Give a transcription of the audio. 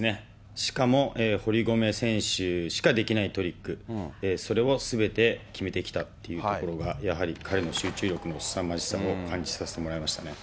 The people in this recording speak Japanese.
しかも堀米選手しかできないトリック、それをすべて決めてきたというところが、やはり彼の集中力のすさまじさを感じさせてもらいましたね。